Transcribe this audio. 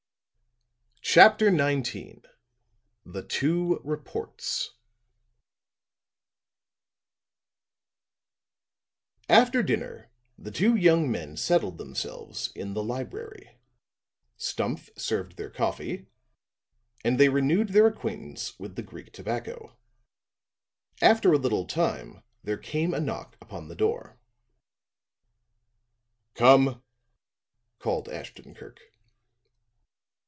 CHAPTER XIX THE TWO REPORTS After dinner the two young men settled themselves in the library: Stumph served their coffee and they renewed their acquaintance with the Greek tobacco. After a little time there came a knock upon the door. "Come," called Ashton Kirk.